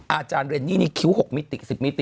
อาจารย์เรนนี่นี่คิ้ว๖มิติ๑๐มิติ